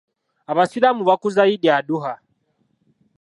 Abasiraamu bakuza Eid Adhuha.